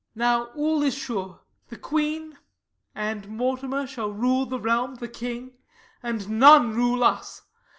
Now all is sure: the queen and Mortimer Shall rule the realm, the king; and none rule us.